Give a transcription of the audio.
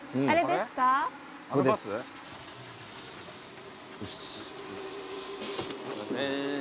すいません